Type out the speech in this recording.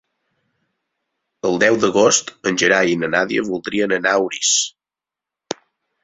El deu d'agost en Gerai i na Nàdia voldrien anar a Orís.